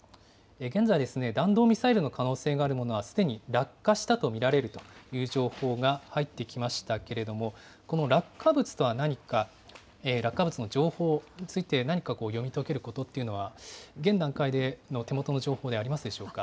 現在、弾道ミサイルの可能性があるものはすでに落下したと見られるという情報が入ってきましたけれども、この落下物とは何か、落下物の情報について、何か読み解けることっていうのは、現段階の手元の情報でありますでしょうか？